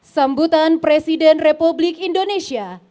sambutan presiden republik indonesia